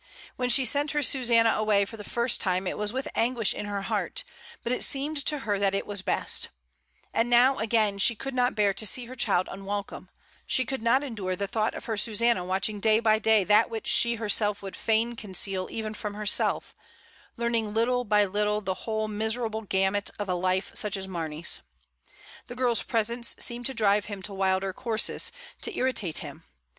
When she sent her Susanna away for the first time it was with IN THE DAWN. II5 anguish in her heart; but it seemed to her that it was best And now again she could not bear to see her child unwelcome; she could not endure the thought of her Susanna watching day by day that which she herself would fain conceal even from herself, learning little by little the whole miserable gamut of a life such as Harney's. The girl's presence seemed to drive him to wilder courses, to irritate him.